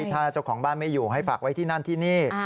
ถ้าเจ้าของบ้านไม่อยู่ให้ฝากไว้ที่นั่นที่นี่